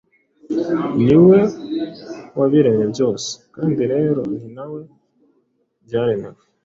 Ni we wabiremye byose, kandi rero ni na we byaremewe.